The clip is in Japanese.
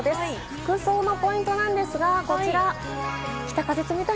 服装のポイントなんですが、こちら。